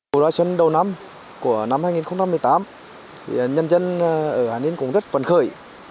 cô ra xuân đầu năm của năm hai nghìn một mươi tám nhân dân ở hà ninh cũng rất phần khởi